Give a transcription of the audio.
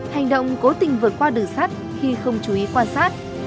hành động cố tình vượt qua đường sắt khi không chú ý quan sát